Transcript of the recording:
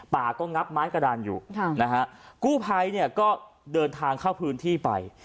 ป่าก็งับไม้กระดานอยู่นะฮะกู้ภัยเนี่ยก็เดินทางเข้าพื้นที่ไป